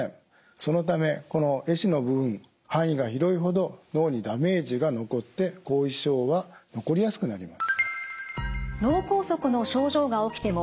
そのためこのえ死の部分範囲が広いほど脳にダメージが残って後遺症は残りやすくなります。